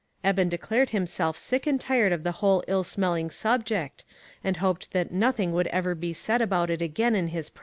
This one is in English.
Eben declared himself sick and tired of the whole ill smelling subject, and hoped that nothing would ever be said about it again in his